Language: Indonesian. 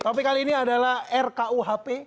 topik kali ini adalah rkuhp